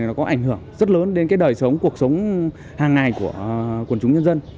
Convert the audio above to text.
nó có ảnh hưởng rất lớn đến cái đời sống cuộc sống hàng ngày của quần chúng nhân dân